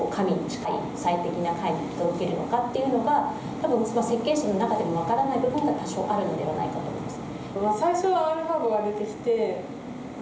多分設計士の中でも分からない部分が多少あるのではないかと思います。